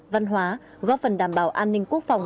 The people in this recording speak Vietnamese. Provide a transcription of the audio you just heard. văn hóa góp phần đảm bảo an ninh quốc phòng